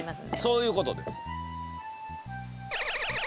そういう事です。